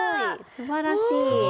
すばらしい。